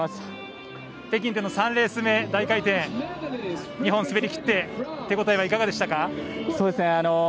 北京での３レース目大回転、２本滑りきって手応えはいかがでしたか？